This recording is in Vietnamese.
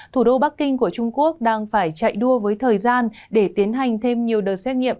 thủ đô bắc kinh của trung quốc đang phải chạy đua với thời gian để tiến hành thêm nhiều đợt xét nghiệm